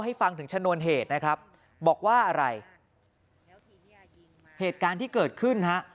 ให้ฟังถึงชนวนเหตุนะครับบอกว่าอะไรเหตุการณ์ที่เกิดขึ้นฮะ